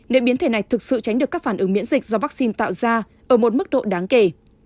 để biến thể này thực sự tránh được các phản ứng miễn dịch do vaccine tạo ra ở một mức độ đáng kể